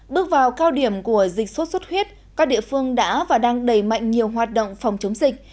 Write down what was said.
bước vào cao điểm của dịch sốt xuất huyết các địa phương đã và đang đẩy mạnh nhiều hoạt động phòng chống dịch